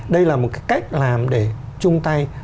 đây là một cái cách làm để chung tay